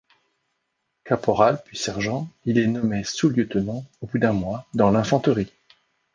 Caporal, puis sergent, il est nommé sous-lieutenant, au bout d'un mois, dans l'infanterie.